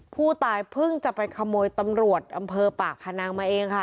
ผู้ตายเพิ่งจะไปขโมยตำรวจอำเภอปากพนังมาเองค่ะ